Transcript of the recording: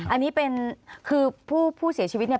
อันนี้เป็นคือผู้เสียชีวิตเนี่ย